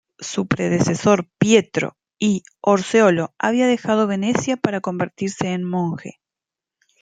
Su predecesor Pietro I Orseolo había dejado Venecia para convertirse en monje.